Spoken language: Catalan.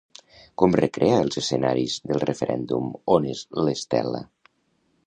Com recrea els escenaris del referèndum On és l'Estel·la?